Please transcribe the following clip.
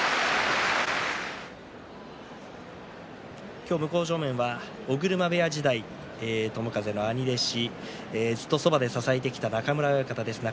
今日、向正面は尾車部屋時代、友風の兄弟子ずっとそばで支えてきた中村親方です。